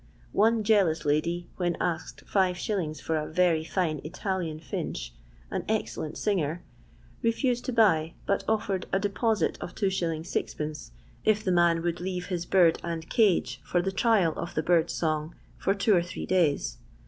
One jealous lady, when asked 6s. for a " yery fine Italian finch, an excellent singer," refused to buy, but offered a deposit of 2s. 6(i., if the man would leaye his bird and cage, for the trial of the bird's song, for two or three days.